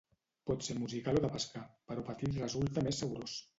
Pot ser musical o de pescar, però petit resulta més saborós.